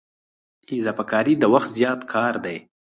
اضافه کاري د وخت زیات کار دی